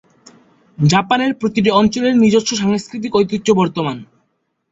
জাপানের প্রতিটি অঞ্চলের নিজস্ব সাংস্কৃতিক ঐতিহ্য বর্তমান।